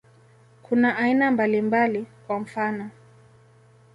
Kuna aina mbalimbali, kwa mfano.